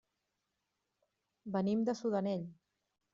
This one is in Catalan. Venim de Sudanell.